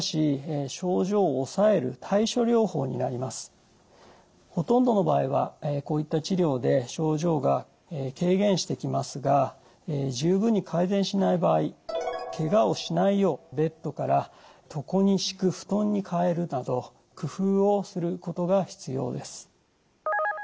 これはしかしほとんどの場合はこういった治療で症状が軽減してきますが十分に改善しない場合けがをしないようベッドから床に敷く布団に替えるなど工夫をすることが必要です。